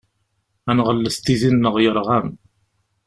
Ad nɣellet tidi-nneɣ yerɣan.